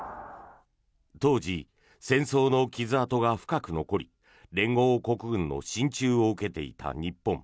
当時、戦争の傷痕が深く残り連合国軍の進駐を受けていた日本。